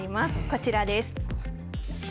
こちらです。